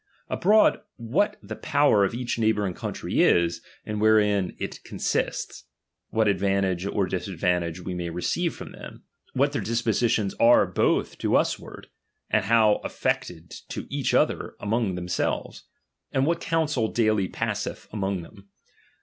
Abroad, what the power of each neighbouring country is, and wherein it consists ; what advantage or disadvantage we may receive from them ; what their dispositions are both to us ward, and how affected to each other among themselves ; and what counsel daily passeth among fi»em.